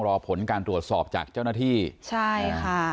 รอผลการตรวจสอบจากเจ้าหน้าที่ใช่ค่ะ